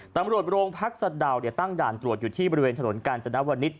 ตำรวจโรงพักสะดาวตั้งด่านตรวจอยู่ที่บริเวณถนนกาญจนวนิษฐ